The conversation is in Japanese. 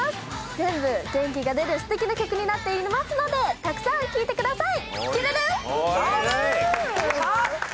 全部、元気が出るすてきな曲になっていますので、たくさん聴いてください。